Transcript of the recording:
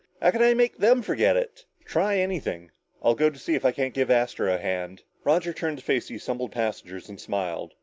"How can I make them forget it?" "Try anything. I'll go see if I can't give Astro a hand!" Roger turned to face the assembled passengers and smiled.